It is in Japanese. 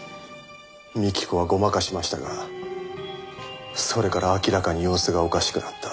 幹子はごまかしましたがそれから明らかに様子がおかしくなった。